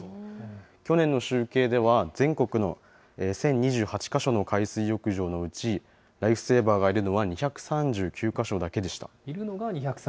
去年の集計では、全国の１０２８か所の海水浴場のうち、ライフセーバーがいるのはいるのが２３９か所？